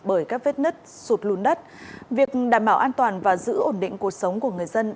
bởi các vết nứt sụt lùn đất việc đảm bảo an toàn và giữ ổn định cuộc sống của người dân